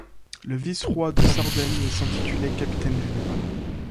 Le vice-roi de Sardaigne s'intitulait capitaine général.